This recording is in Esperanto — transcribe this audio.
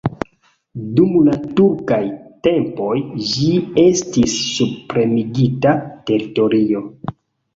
Dum la turkaj tempoj ĝi estis subpremigita teritorio.